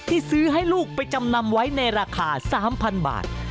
ที่ซื้อให้ลูกไปจำนำไว้ในราคา๓๐๐๐บาท